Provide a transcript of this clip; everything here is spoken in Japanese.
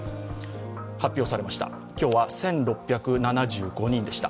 発表されました、今日は１６７５人でした。